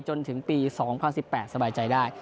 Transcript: จนถึงปี๒๐๑๘สบายใจได้